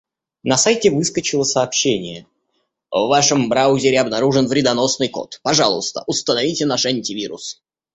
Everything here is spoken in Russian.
На сайте выскочило сообщение: «В вашем браузере обнаружен вредоносный код, пожалуйста, установите наш антивирус».